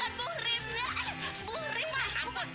anggur gini buah